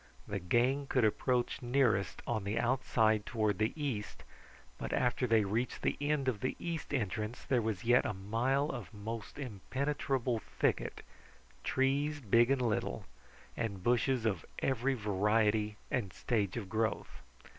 The gang could approach nearest on the outside toward the east, but after they reached the end of the east entrance there was yet a mile of most impenetrable thicket, trees big and little, and bushes of every variety and stage of growth.